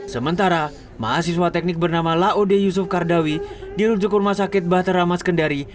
sementara mahasiswa teknik bernama laode yusuf kardawi dirujuk ke rumah sakit bahteramas kendari